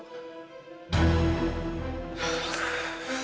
duru duru aja takut sama amazon